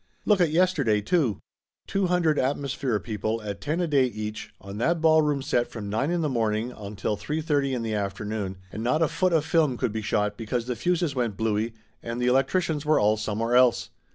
Look at yes terday too ! Two hundred atmosphere people at ten a day each, on that ballroom set from nine in the morn ing until 3 : 30 in the afternoon, and not a foot of film could be shot because the fuses went blooey, and the electricians were all somewhere else!